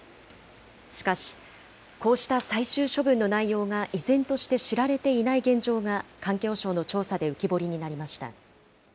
しかし、こうした最終処分の内容が依然として知られていない現状が、環境省の調査で浮き彫りになりました。